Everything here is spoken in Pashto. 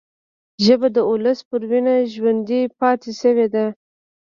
ژبه د ولس پر وینه ژوندي پاتې شوې ده